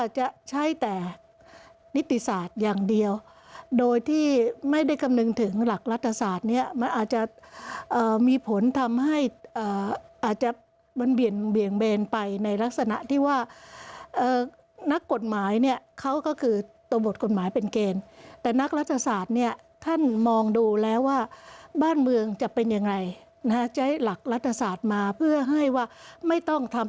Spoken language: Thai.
จะใช้แต่นิติศาสตร์อย่างเดียวโดยที่ไม่ได้คำนึงถึงหลักรัฐศาสตร์เนี่ยมันอาจจะมีผลทำให้อาจจะมันเบี่ยงเบนไปในลักษณะที่ว่านักกฎหมายเนี่ยเขาก็คือตัวบทกฎหมายเป็นเกณฑ์แต่นักรัฐศาสตร์เนี่ยท่านมองดูแล้วว่าบ้านเมืองจะเป็นยังไงใช้หลักรัฐศาสตร์มาเพื่อให้ว่าไม่ต้องทำ